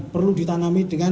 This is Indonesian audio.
perlu ditanami dengan